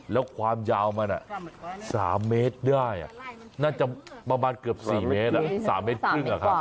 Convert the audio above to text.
แล้วยาวมัน๓เมตรได้อ่ะน่าจะประมาทเกือบ๔เมตรละ๓๕เมตร